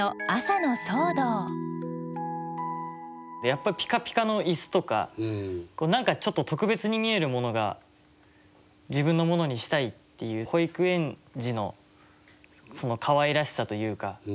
やっぱぴかぴかのイスとか何かちょっと特別に見えるものが自分のものにしたいっていう保育園児のそのかわいらしさというか。